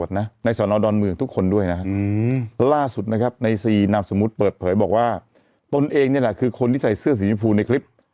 จนกระทั่งสามีนั้นได้รับ